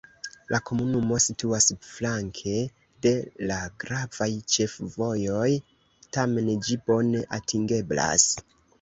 La komunumo situas flanke de la gravaj ĉefvojoj, tamen ĝi bone atingeblas.